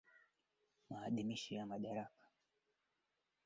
si Waniloti halisi bali ni mchanganyiko wa Wabantu na Waniloti Wao ni mkusanyiko wa